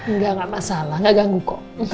nggak nggak masalah nggak ganggu kok